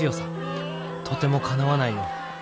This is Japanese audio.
とてもかなわないよ。